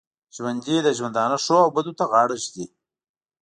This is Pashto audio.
ژوندي د ژوندانه ښو او بدو ته غاړه ږدي